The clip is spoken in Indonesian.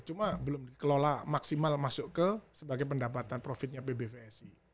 cuma belum dikelola maksimal masuk ke sebagai pendapatan profitnya pbvsi